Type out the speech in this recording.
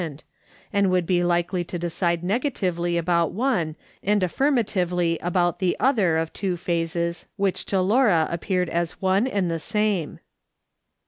SOLOMON SMITH LOOKING ON and would be likely to decide negatively about one, and affirmatively about the other of two phases which to Laura appeared as one and the same.